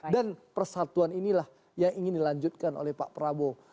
dan persatuan inilah yang ingin dilanjutkan oleh pak prabowo